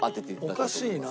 おかしいな。